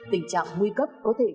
tình trạng nguy cấp có thể